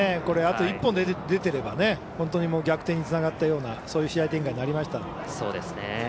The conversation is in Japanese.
これ、あと１歩出てれば本当に逆転につながったようなそういう試合展開になりました。